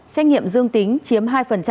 xét nghiệm dương tính chiếm hai